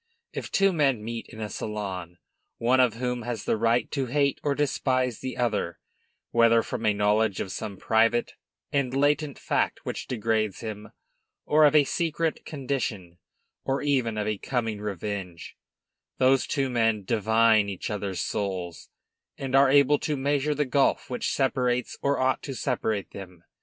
If two men meet in a salon, one of whom has the right to hate or despise the other, whether from a knowledge of some private and latent fact which degrades him, or of a secret condition, or even of a coming revenge, those two men divine each other's souls, and are able to measure the gulf which separates or ought to separate them.